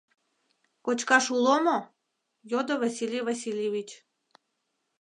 Кочкаш уло мо? — йодо Василий Васильевич.